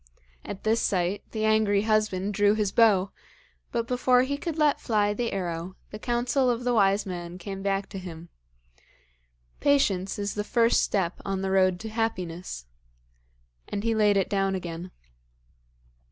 At this sight the angry husband drew his bow, but before he could let fly the arrow, the counsel of the wise man came back to him: 'Patience is the first step on the road to happiness.' And he laid it down again.